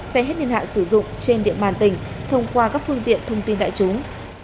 xe hết niên hạn sử dụng trên địa bàn tỉnh thông qua các phương tiện thông tin đại chúng